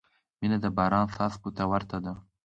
• مینه د باران څاڅکو ته ورته ده.